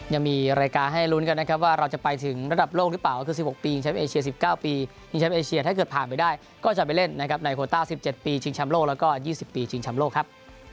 ยังมีรายการให้ลุ้นกันนะครับว่าเราจะไปถึงระดับโลกหรือเปล่าก็คือ๑๖ปีแชมป์เอเชีย๑๙ปีชิงแชมป์เอเชียถ้าเกิดผ่านไปได้ก็จะไปเล่นนะครับในโคต้า๑๗ปีชิงแชมป์โลกแล้วก็๒๐ปีชิงชำโลกครับ